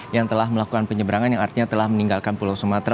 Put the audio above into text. yang telah melakukan penyeberangan yang artinya telah meninggalkan pulau sumatera